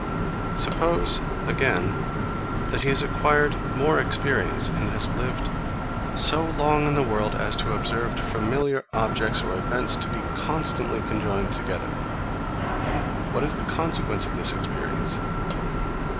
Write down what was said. Suppose, again, that he has acquired more experience, and has lived so long in the world as to have observed familiar objects or events to be constantly conjoined together; what is the consequence of this experience?